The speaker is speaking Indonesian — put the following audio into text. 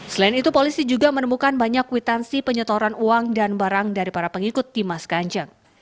selain itu polisi juga menemukan banyak kwitansi penyetoran uang dan barang dari para pengikut dimas kanjeng